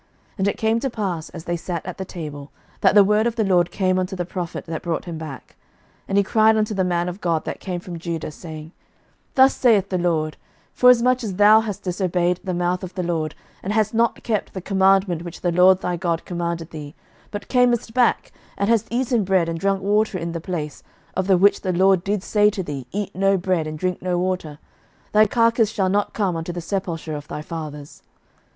11:013:020 And it came to pass, as they sat at the table, that the word of the LORD came unto the prophet that brought him back: 11:013:021 And he cried unto the man of God that came from Judah, saying, Thus saith the LORD, Forasmuch as thou hast disobeyed the mouth of the LORD, and hast not kept the commandment which the LORD thy God commanded thee, 11:013:022 But camest back, and hast eaten bread and drunk water in the place, of the which the Lord did say to thee, Eat no bread, and drink no water; thy carcase shall not come unto the sepulchre of thy fathers.